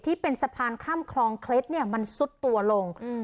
ที่เป็นสะพานข้ามคลองเคล็ดเนี่ยมันซุดตัวลง